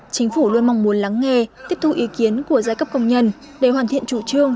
chính phủ luôn mong muốn lắng nghe tiếp thu ý kiến của giai cấp công nhân để hoàn thiện chủ trương